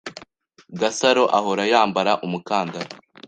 Gasaro ahora yambara umukandara.